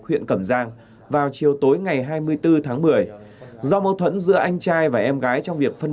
huyện cẩm giang vào chiều tối ngày hai mươi bốn tháng một mươi do mâu thuẫn giữa anh trai và em gái trong việc phân